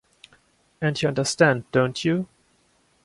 And you understand, don’t you?